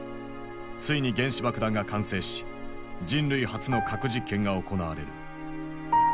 ついに原子爆弾が完成し人類初の核実験が行われる。